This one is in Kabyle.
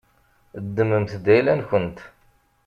Ddmemt-t d ayla-nkent.